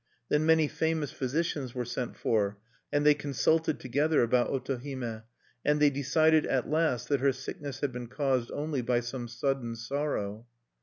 Then many famous physicians were sent for; and they consulted together about Otohime; and they decided at last that her sickness had been caused only by some sudden sorrow.